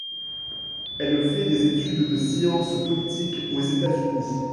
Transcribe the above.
Elle fait des études de sciences politiques aux États-Unis.